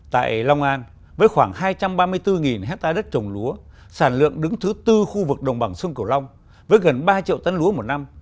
tại long an với khoảng hai trăm ba mươi bốn hectare đất trồng lúa sản lượng đứng thứ tư khu vực đồng bằng sông cửu long với gần ba triệu tấn lúa một năm